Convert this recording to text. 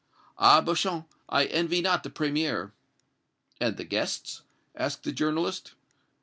Ah, Beauchamp, I envy not the Premier!" "And the guests?" asked the journalist.